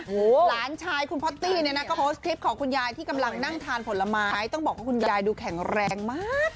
หลานชายคุณพอตตี้เนี่ยนะก็โพสต์คลิปของคุณยายที่กำลังนั่งทานผลไม้ต้องบอกว่าคุณยายดูแข็งแรงมาก